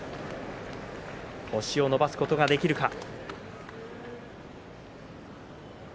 星を伸ばすことができるか。